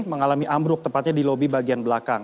mengalami ambruk tepatnya di lobi bagian belakang